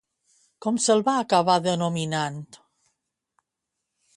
Com se'l va acabar denominant?